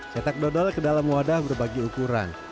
cetak dodol ke dalam wadah berbagi ukuran